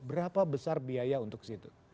berapa besar biaya untuk situ